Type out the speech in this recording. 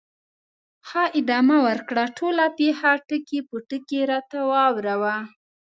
ښه، ادامه ورکړه، ټوله پېښه ټکي په ټکي راته واوره وه.